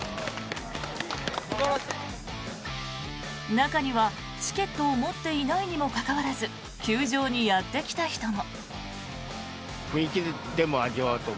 中には、チケットを持っていないにもかかわらず球場にやってきた人も。